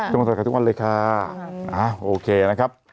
ต้องก่อนถ่วยกันทุกวันเลยค่ะ